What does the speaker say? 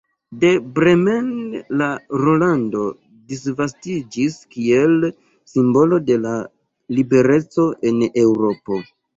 De Bremen la rolando disvastiĝis kiel simbolo de la libereco en Eŭropo.